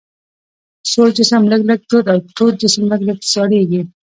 سوړ جسم لږ لږ تود او تود جسم لږ لږ سړیږي.